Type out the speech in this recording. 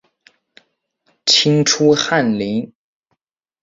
清初翰林。